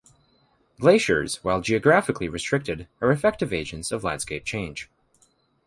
Glaciers, while geographically restricted, are effective agents of landscape change.